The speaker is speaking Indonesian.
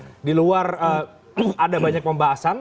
oke di luar ada banyak pembahasan